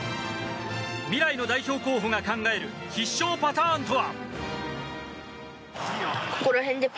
未来の代表候補が考える必勝パターンとは。